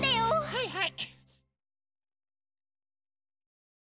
はいはい。